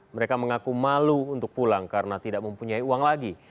mereka mengaku malu untuk pulang karena tidak mempunyai uang lagi